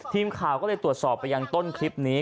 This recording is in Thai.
ทีมข่าวก็เลยตรวจสอบไปยังต้นคลิปนี้